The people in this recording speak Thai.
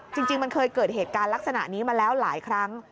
จริงมันเคยเกิดเหตุการณ์ลักษณะนี้มาแล้วหลายครั้ง